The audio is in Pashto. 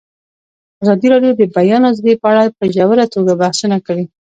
ازادي راډیو د د بیان آزادي په اړه په ژوره توګه بحثونه کړي.